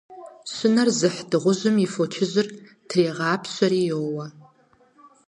Щынэр зыхь дыгъужьым и фочыжьыр трегъапщэри йоуэ.